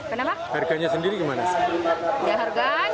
untuk masak jualan gorengan